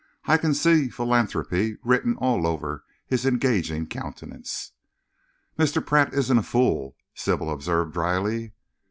I can see philanthropy written all over his engaging countenance." "Mr. Pratt isn't a fool," Sybil observed drily.